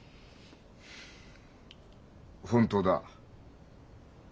本当だ。